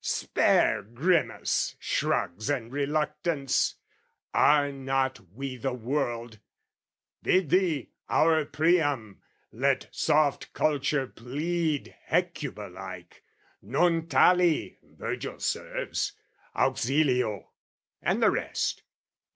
Spare grimace, "Shrugs and reluctance! Are not we the world, "Bid thee, our Priam, let soft culture plead "Hecuba like, 'non tali' (Virgil serves) "'Auxilio,' and the rest!